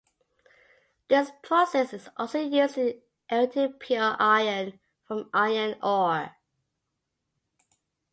This process is also used in erected pure iron from iron ore.